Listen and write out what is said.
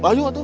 baju apa tuh